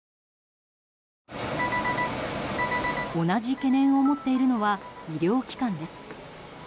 同じ懸念を持っているのは医療機関です。